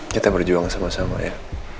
kita berjuang sama sama ya